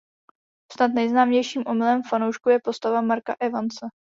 Snad nejznámějším omylem fanoušků je postava "Marka Evanse".